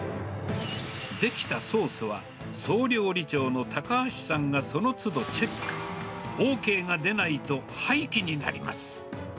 出来たソースは、総料理長の高橋さんがそのつどチェック。ＯＫが出ないと廃棄になります。